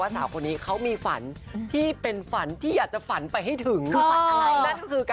ดีมาก